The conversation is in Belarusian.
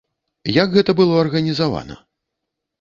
Як гэта было арганізавана?